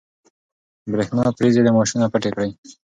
برېښنا پريزې د ماشوم نه پټې کړئ.